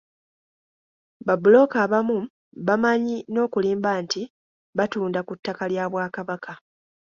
Ba bbulooka abamu bamanyi n'okulimba nti batunda ku ttaka lya Bwakabaka.